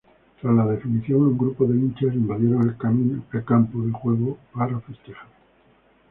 Tras la definición un grupo de hinchas invadieron el campo de juego para festejar.